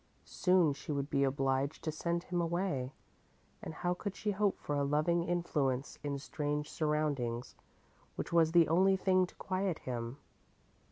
Soon she would be obliged to send him away, and how could she hope for a loving influence in strange surroundings, which was the only thing to quiet him?